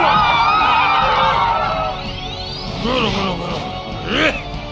aku akan mencari